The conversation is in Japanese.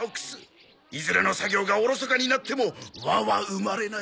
いずれの作業がおろそかになっても和は生まれない。